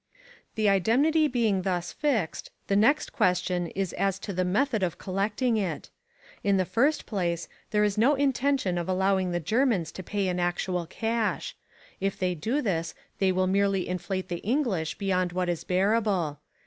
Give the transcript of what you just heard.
The indemnity being thus fixed, the next question is as to the method of collecting it. In the first place there is no intention of allowing the Germans to pay in actual cash. If they do this they will merely inflate the English beyond what is bearable.